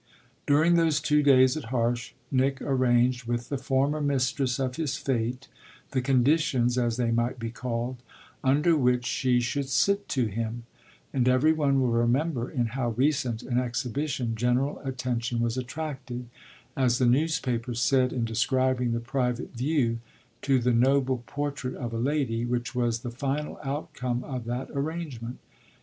During those two days at Harsh Nick arranged with the former mistress of his fate the conditions, as they might be called, under which she should sit to him; and every one will remember in how recent an exhibition general attention was attracted, as the newspapers said in describing the private view, to the noble portrait of a lady which was the final outcome of that arrangement.